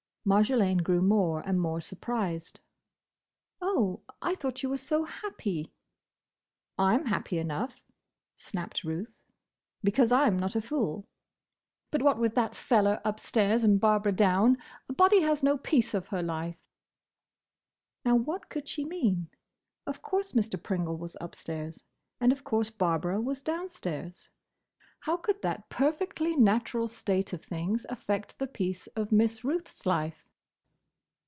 Marjolaine grew more and more surprised. "Oh! I thought you were so happy!" "I 'm happy enough," snapped Ruth, "because I 'm not a fool. But what with that feller upstairs, and Barbara down, a body has no peace of her life." Now, what could she mean? Of course Mr. Pringle was upstairs, and of course Barbara was downstairs. How could that perfectly natural state of things affect the peace of Miss Ruth's life?